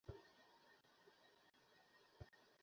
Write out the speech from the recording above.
নারীরা যখন নগ্ন অবস্থায় থাকতেন, তখন তাঁদের ছবি তুলে রাখত সে।